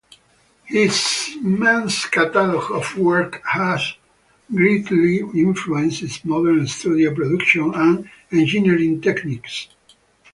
His immense catalog of work has greatly influenced modern studio production and engineering techniques.